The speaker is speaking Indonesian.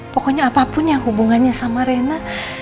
pokoknya apapun yang hubungannya sama rena